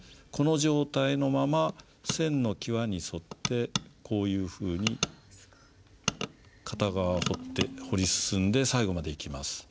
この状態のまま線の際に沿ってこういうふうに片側彫って彫り進んで最後までいきます。